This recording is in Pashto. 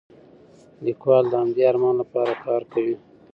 لیکوال د همدې ارمان لپاره کار کوي.